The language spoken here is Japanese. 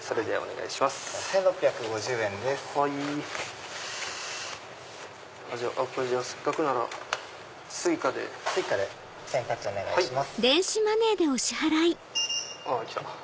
お願いします。